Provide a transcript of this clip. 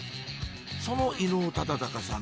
その伊能忠敬さん